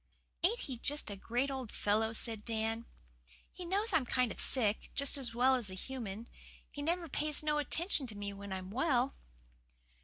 "Ain't he just a great old fellow?" said Dan. "He knows I'm kind of sick, just as well as a human. He never pays no attention to me when I'm well."